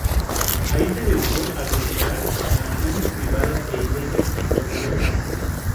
Ahí se dedicó a decorar mansiones privadas e iglesias ortodoxas.